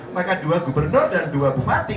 maka dua gubernur dan dua bupati